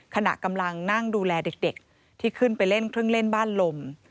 ขณะกำลังนั่งดูแลเด็กที่ขึ้นไปเล่นเครื่องเล่นบ้านลม